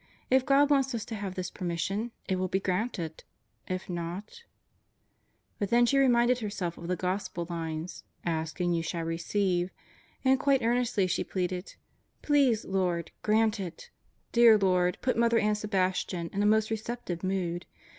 "If God wants us to have this per mission, it will be granted. If not ..." But then she reminded herself of the Gospel lines, "ask and you shall receive," and quite earnestly she pleaded: "Please, Lord, grant it. Dear Lord, put Mother Ann Sebastian in a most receptive mood.